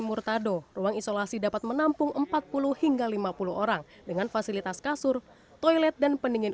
murtado ruang isolasi dapat menampung empat puluh hingga lima puluh orang dengan fasilitas kasur toilet dan pendingin